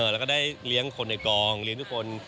แล้วก็ได้เลี้ยงคนในกองเลี้ยงทุกคน